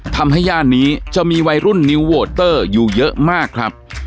ย่านนี้จะมีวัยรุ่นนิวโวเตอร์อยู่เยอะมากครับ